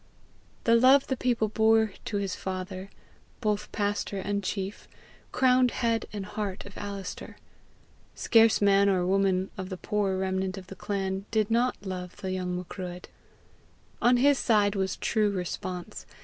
The love the people bore to his father, both pastor and chief, crowned head and heart of Alister. Scarce man or woman of the poor remnant of the clan did not love the young Macruadh. On his side was true response.